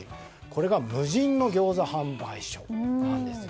これが無人の餃子販売所なんです。